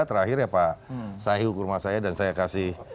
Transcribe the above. terakhir ya pak sahi hukum rumah saya dan saya kasih